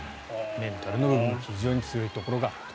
メンタルの部分も非常に強いところがある。